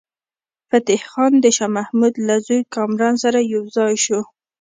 فتح خان د شاه محمود له زوی کامران سره یو ځای شو.